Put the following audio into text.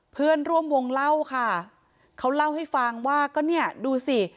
เพื่อนร่วมวงเล่าค่ะเขาเล่าให้ฟังว่าก็เนี่ยดูสิ